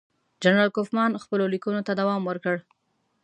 جنرال کوفمان خپلو لیکونو ته دوام ورکړ.